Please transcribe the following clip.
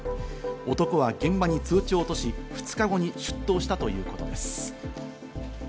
男は現場に通帳を落とし、２日後に出頭したということです。